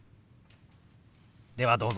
ではどうぞ。